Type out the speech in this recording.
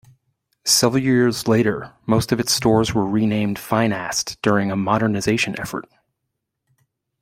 Several years later, most of its stores were renamed Finast during a modernization effort.